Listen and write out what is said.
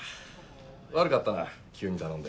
悪かったな急に頼んで。